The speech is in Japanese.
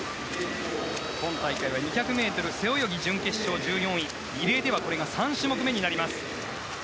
今大会は２００ｍ背泳ぎ準決勝１４位リレーではこれが３種目目になります。